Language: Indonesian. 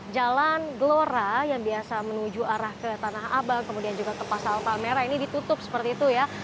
jalan gelora yang biasa menuju arah ke tanah abang kemudian juga ke pasal palmera ini ditutup seperti itu ya